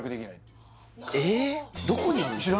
どこにあるんですか？